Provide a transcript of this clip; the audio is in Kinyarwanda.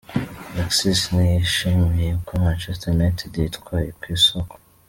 Alexis ntiyishimiye uko Manchester United yitwaye ku isoko.